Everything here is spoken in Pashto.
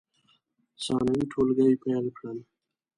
ثانوي ټولګي پیل کړل.